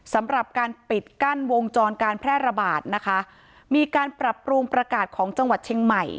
สำหรับการปิดกั้นวงจรการแพร่ระบาดนะคะมีการปรับปรุงประกาศของจังหวัดเชียงใหม่